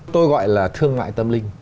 tôi gọi là thương ngại tâm linh